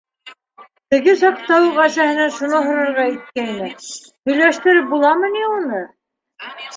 Теге саҡта уҡ әсәһенән шуны һорарға иткәйне - һөйләштереп буламы ни уны?